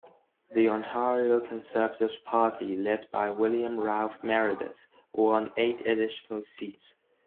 The Ontario Conservative Party, led by William Ralph Meredith, won eight additional seats.